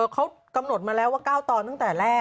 เขากำหนดมาแล้วว่า๙ตอนตั้งแต่แรก